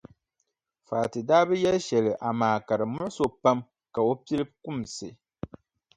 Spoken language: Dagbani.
Fati daa bi yɛli shɛli amaa ka di muɣisi o pam ka o pili kumsi.